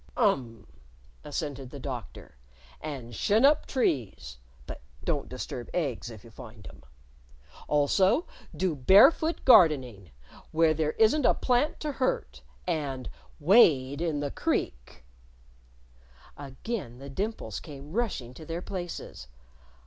"Um!" assented the Doctor. "And shin up trees (but don't disturb eggs if you find 'em). Also do barefoot gardening, where there isn't a plant to hurt! And wade the creek." Again the dimples came rushing to their places.